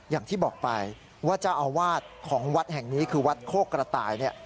อย่างที่บอกไปว่าเจ้าอาวาสของวัดแห่งนี้คือวัดโคกกระต่าย